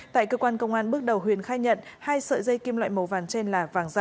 tại cơ quan công an bước đầu huyền khai nhận hai sợi dây kim loại màu vàng trên là vàng da